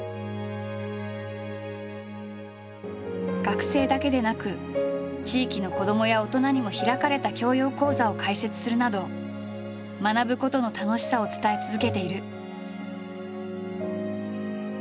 学生だけでなく地域の子どもや大人にも開かれた教養講座を開設するなど学ぶことの楽しさを伝え続けている。